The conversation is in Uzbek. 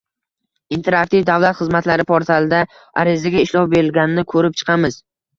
interaktiv davlat xizmatlari portalida arizaga ishlov berilganini ko‘rib chiqamiz.